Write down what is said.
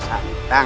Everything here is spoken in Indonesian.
rada kian santan